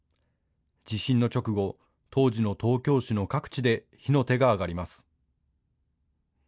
地震の直後、当時の東京市の各地で火の手が上がります。